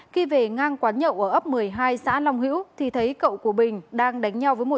khi về ngang quán nhậu ở ấp một mươi hai xã long hữu thì thấy cậu của bình đang đánh nhau với một